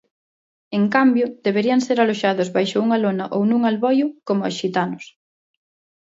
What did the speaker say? En cambio, deberían ser aloxados baixo unha lona ou nun alboio, como os xitanos.